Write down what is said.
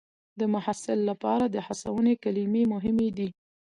د محصل لپاره د هڅونې کلمې مهمې دي.